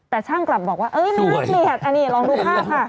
แต่ช่างกลับบอกว่าเออน่าเกลียดอันนี้ลองดูภาพค่ะ